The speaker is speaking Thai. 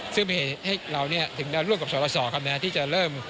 ซึ่งให้เรานี่คือร่วมด้วยประสดที่เริ่ม